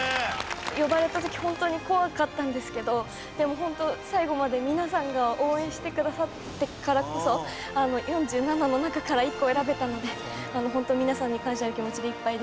呼ばれた時ホントに怖かったんですけどでもホント最後まで皆さんが応援してくださったからこそ４７の中から１個選べたのでホント皆さんに感謝の気持ちでいっぱいです。